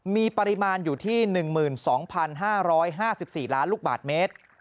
มีปริมาณอยู่ที่๑๒๕๕๔ล้านลูกบาทเมตร